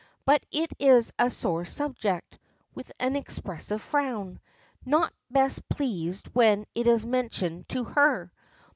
"But it is a sore subject," with an expressive frown. "Not best pleased when it is mentioned to her.